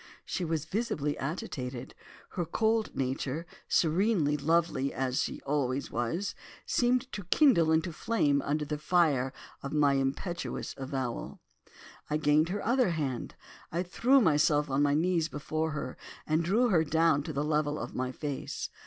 "She was visibly agitated. Her cold nature, serenely lovely as she always was, seemed to kindle into flame under the fire of my impetuous avowal. I gained her other hand, I threw myself on my knees before her, and drew her down to the level of my face.